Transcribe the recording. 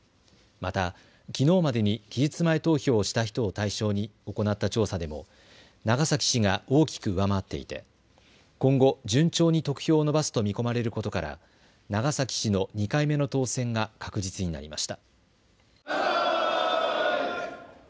またきのうまでに期日前投票をした人を対象に行った調査でも長崎氏が大きく上回っていて今後、順調に得票を伸ばすと見込まれることから長崎氏の２回目の当選が確実になりました。